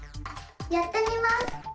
やってみます！